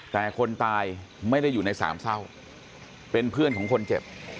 แต่คนตายไม่ได้อยู่ในสามเศร้าเป็นเพื่อนของคนเจ็บ